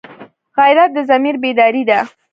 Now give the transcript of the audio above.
غیرت د ضمیر بیداري ده